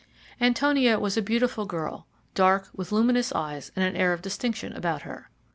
Antonia was a beautiful girl, dark, with luminous eyes and an air of distinction about her.